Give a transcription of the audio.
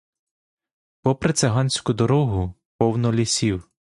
Попри циганську дорогу повно лісів.